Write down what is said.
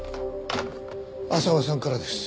浅輪さんからです。